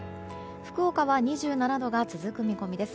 福岡は２７度が続く見込みです。